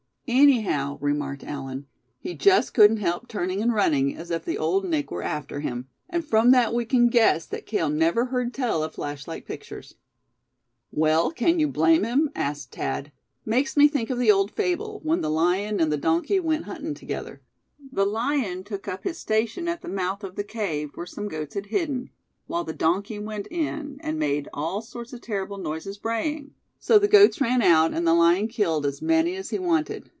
"Anyhow," remarked Allan, "he just couldn't help turning and running as if the Old Nick were after him. And from that we can guess that Cale never heard tell of flashlight pictures." "Well, can you blame him?" asked Thad. "Makes me think of the old fable, when the lion and the donkey went hunting together. The lion took up his station at the mouth of the cave where some goats had hidden, while the donkey went in; and made all sorts of terrible noises, braying. So the goats ran out, and the lion killed as many as he wanted.